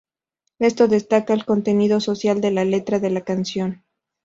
Esto destaca el contenido social de la letra de la canción.